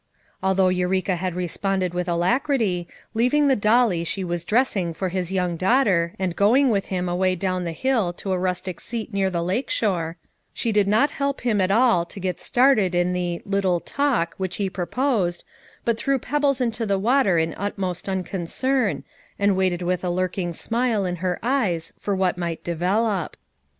Although Eureka had responded with alacrity, leaving the dollie she was dressing for his young daughter and going with him away down the hill to a rustic seat near the lake shore, she did not help him at all to get started in the "little talk" which he proposed, but threw pebbles into the water in utmost unconcern, and waited with a lurking smile in her eyes for what might develop.